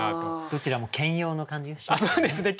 どちらも兼用の感じがしますね。